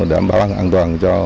đảm bảo an toàn cho